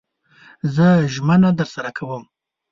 زه ژمنه درسره کوم